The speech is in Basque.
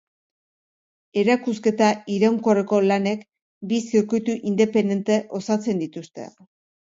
Erakusketa iraunkorreko lanek, bi zirkuitu independente osatzen dituzte.